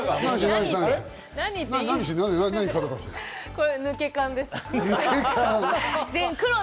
これ抜け感です。